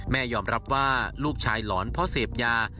ยอมรับว่าลูกชายหลอนเพราะเสพยา